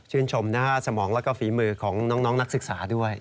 ชมนะฮะสมองแล้วก็ฝีมือของน้องนักศึกษาด้วย